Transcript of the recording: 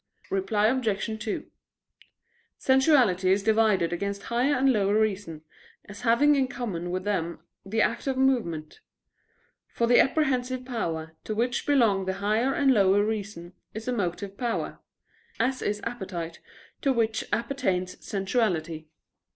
Reply Obj. 2: Sensuality is divided against higher and lower reason, as having in common with them the act of movement: for the apprehensive power, to which belong the higher and lower reason, is a motive power; as is appetite, to which appertains sensuality.